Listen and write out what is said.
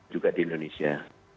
juga di indonesia